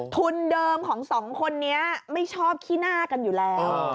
ทุนเดิมของสองคนนี้ไม่ชอบขี้หน้ากันอยู่แล้ว